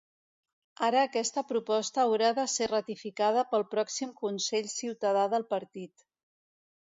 Ara aquesta proposta haurà de ser ratificada pel pròxim consell ciutadà del partit.